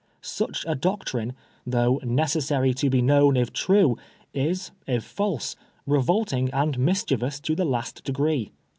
Such a doctrine, though necessary to be known if true, is, if false, revolting and mischievous to the last degree.